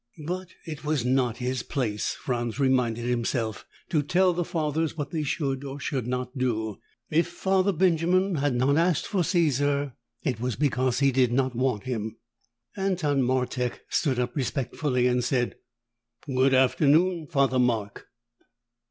But it was not his place, Franz reminded himself, to tell the Fathers what they should or should not do. If Father Benjamin had not asked for Caesar, it was because he did not want him. Anton Martek stood up respectfully and said, "Good afternoon, Father Mark."